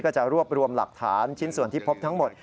จะรวบรวมหลักฐานชิ้นส่วนที่พบทั้งหมด